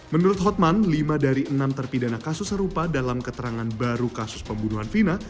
menurut hotman lima dari enam terpidana kasus serupa dalam keterangan baru kasus pembunuhan fina